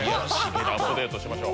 アップデートしましょ。